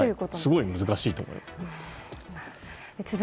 すごい難しいと思います。